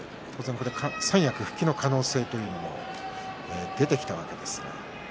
三役復帰の可能性というのも出てきたわけですね。